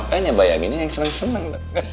nah makanya bayanginnya yang seneng seneng